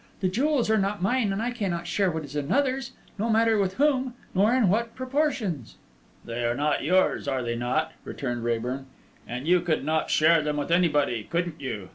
The jewels are not mine, and I cannot share what is another's, no matter with whom, nor in what proportions." "They are not yours, are they not?" returned Raeburn. "And you could not share them with anybody, couldn't you?